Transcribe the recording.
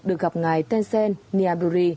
được gặp ngài tân sên niêm đô ri